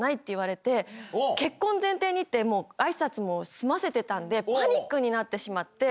結婚前提にってもう挨拶も済ませてたんでパニックになってしまって。